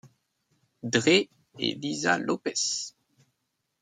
Dre et Lisa Lopes.